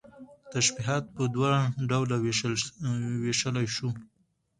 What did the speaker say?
تشبيهات په دوه ډوله ويشلى شو